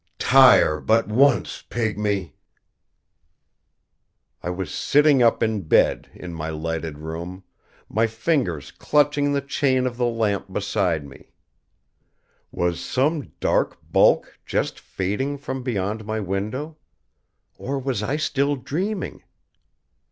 Tire but once, pygmy !"I was sitting up in bed in my lighted room, my fingers clutching the chain of the lamp beside me. Was some dark bulk just fading from beyond my window? Or was I still dreaming?